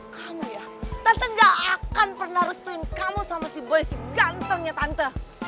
kamu ya tante gak akan pernah restuin kamu sama si boy si gantengnya tante